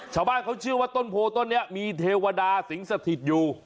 ชาวบ้านเขาเชื่อว่าต้นโพต้นนี้มีเทวดาสิงสถิตอยู่